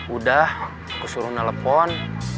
udah aku suruh telepon